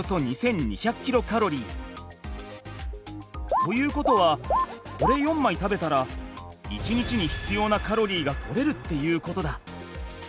ということはこれ４枚食べたら１日に必要なカロリーが取れるっていうことだ。